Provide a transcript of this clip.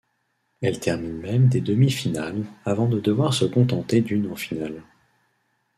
Elle termine même des demi-finales avant de devoir se contenter d'une en finale.